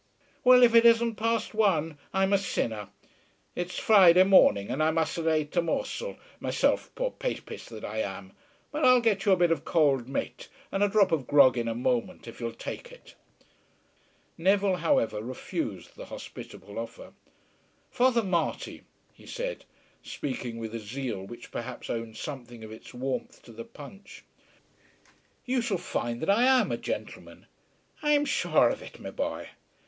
Well, if it isn't past one I'm a sinner. It's Friday morning and I mus'n't ate a morsel myself, poor papist that I am; but I'll get you a bit of cold mate and a drop of grog in a moment if you'll take it." Neville, however, refused the hospitable offer. "Father Marty," he said, speaking with a zeal which perhaps owed something of its warmth to the punch, "you shall find that I am a gentleman." "I'm shure of it, my boy."